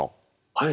はい。